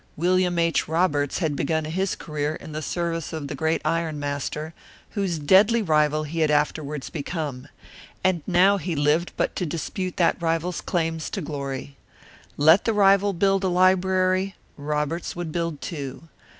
William H. Roberts had begun his career in the service of the great iron master, whose deadly rival he had afterwards become; and now he lived but to dispute that rival's claims to glory. Let the rival build a library, Roberts would build two.